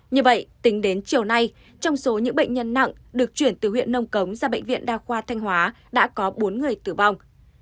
như vậy tính đến chiều nay trong số những bệnh nhân nặng được chuyển từ huyện nông cống ra bệnh viện đa khoa thanh hóa đã có bốn người tử vong